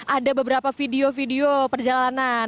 ada beberapa video video perjalanan